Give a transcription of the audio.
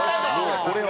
これは。